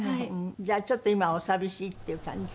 じゃあちょっと今お寂しいっていう感じ？